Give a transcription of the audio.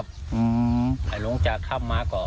คือสิ่งแบบนี้ต้องบอกว่าเขาเอาชีวิตครอบครัวเขามาแลกเลยนะคะ